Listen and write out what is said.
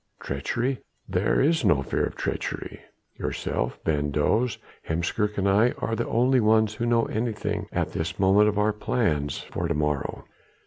Treachery? there is no fear of treachery. Yourself, van Does, Heemskerk and I are the only ones who know anything at this moment of our plans for to morrow.